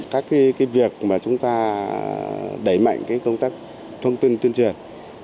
các việc mà chúng ta đẩy mạnh công tác thông tin tuyên truyền